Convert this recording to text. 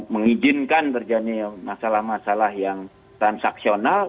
mengizinkan terjadi masalah masalah yang transaksional